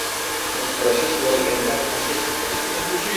Prozesu horrek hainbat fase izango ditu.